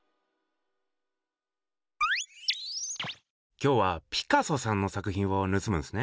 きょうはピカソさんの作品をぬすむんすね。